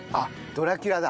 ドラキュラだ。